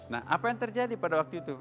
nah apa yang terjadi pada waktu itu